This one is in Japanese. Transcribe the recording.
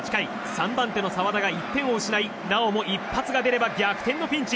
３番手の澤田が１点を失いなおも一発が出れば逆転のピンチ。